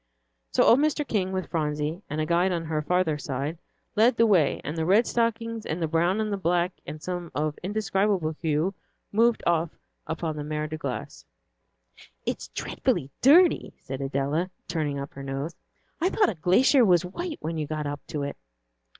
So old Mr. King, with Phronsie and a guide on her farther side, led the way, and the red stockings and the brown and the black, and some of indescribable hue, moved off upon the Mer de Glace. "It's dreadfully dirty," said Adela, turning up her nose. "I thought a glacier was white when you got up to it."